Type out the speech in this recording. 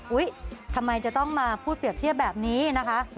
ทำไมจะต้องมาพูดเปรียบเทียบแบบนี้นะคะ